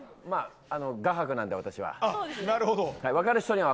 画伯なので私は。